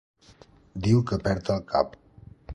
Diu que perd el cap.